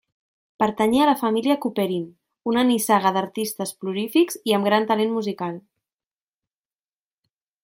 Pertanyia a la família Couperin, una nissaga d'artistes prolífics i amb gran talent musical.